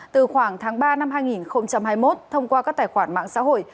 từ khoảng tháng ba năm hai nghìn hai mươi một thông qua các tài khoản mạng xã hội